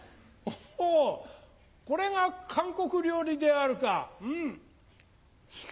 ほぉこれが韓国料理であるかうん。